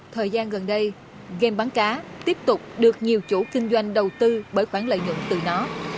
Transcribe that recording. thời gian gần đây game bắn cá tiếp tục được nhiều chủ kinh doanh đầu tư bởi khoản lợi nhuận từ nó